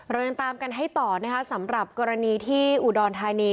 เรายังตามกันให้ต่อนะคะสำหรับกรณีที่อุดรธานี